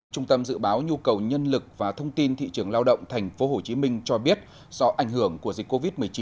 trung tâm dự báo nhu cầu nhân lực và thông tin thị trường lao động tp hcm cho biết do ảnh hưởng của dịch covid một mươi chín